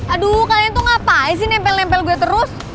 aduh kalian tuh ngapain sih nempel nempel gue terus